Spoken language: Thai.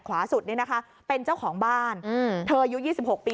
ขวาสุดเนี้ยนะคะเป็นเจ้าของบ้านอืมเธอยุคยี่สิบหกปี